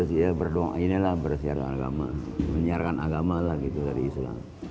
inilah bersiar agama menyiarkan agama lah gitu dari islam